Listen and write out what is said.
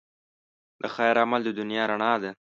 د خیر عمل د دنیا رڼا ده.